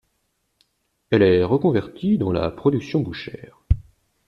Elle est reconvertie dans la production bouchère.